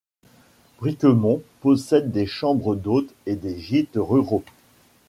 Briquemont possède des chambres d'hôtes et des gîtes ruraux.